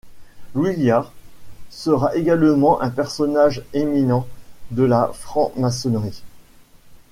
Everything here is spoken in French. Louis Liard sera également un personnage éminent de la franc-maçonnerie.